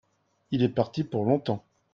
il est parti pour logntemps.